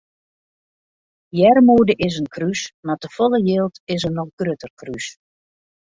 Earmoede is in krús mar te folle jild is in noch grutter krús.